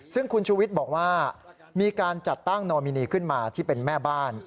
ซึ่งคุณชูวิทย์บอกว่ามีการจัดตั้งโนมินีขึ้นมาที่เป็นแม่บ้าน